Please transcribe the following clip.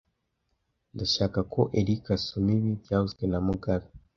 Ndashaka ko Eric asoma ibi byavuzwe na mugabe